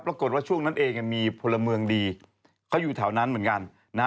ปรากฏว่าช่วงนั้นเองมีพลเมืองดีเขาอยู่แถวนั้นเหมือนกันนะฮะ